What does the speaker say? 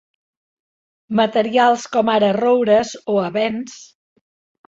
Materials com ara roures o ebens.